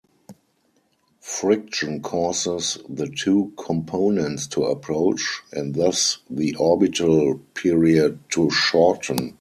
Friction causes the two components to approach, and thus the orbital period to shorten.